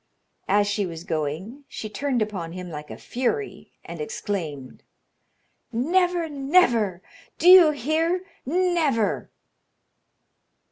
As she was going, she turned upon him like a fury, and exclaimed: "Never, never! Do you hear? Never!"